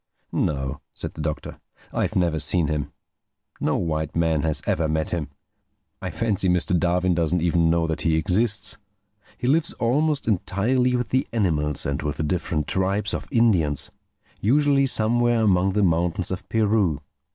"No," said the Doctor, "I've never seen him. No white man has ever met him. I fancy Mr. Darwin doesn't even know that he exists. He lives almost entirely with the animals and with the different tribes of Indians—usually somewhere among the mountains of Peru.